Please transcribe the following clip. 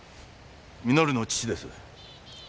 稔の父です。